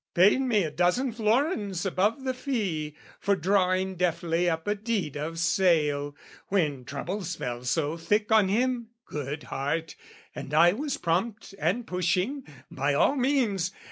"Paid me a dozen florins above the fee, "For drawing deftly up a deed of sale "When troubles fell so thick on him, good heart, "And I was prompt and pushing! By all means!